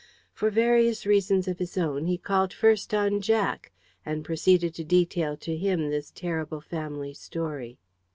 For various reasons of his own, he called first on Jack, and proceeded to detail to him this terrible family story.